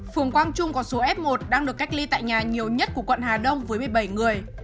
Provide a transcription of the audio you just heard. phường quang trung có số f một đang được cách ly tại nhà nhiều nhất của quận hà đông với một mươi bảy người